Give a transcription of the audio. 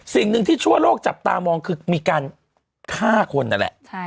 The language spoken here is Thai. สิ่งหนึ่งที่ทั่วโลกจับตามองคือมีการฆ่าคนนั่นแหละ